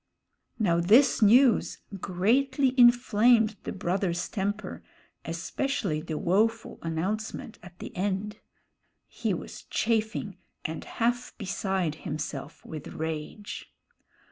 Now this news greatly inflamed the brother's temper, especially the woful announcement at the end. He was chafing and half beside himself with rage.